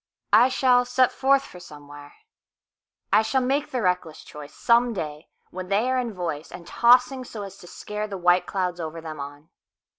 I shall set forth for somewhere,I shall make the reckless choiceSome day when they are in voiceAnd tossing so as to scareThe white clouds over them on.